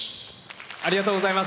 ありがとうございます。